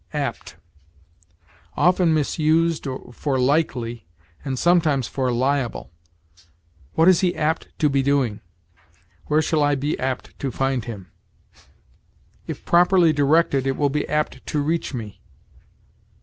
APT. Often misused for likely, and sometimes for liable. "What is he apt to be doing?" "Where shall I be apt to find him?" "If properly directed, it will be apt to reach me."